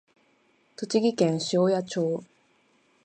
栃木県塩谷町